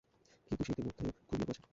কিন্তু সে ইতিমধ্যেই ঘুমিয়ে পড়েছে।